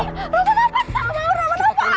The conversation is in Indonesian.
lo kenapa sama roman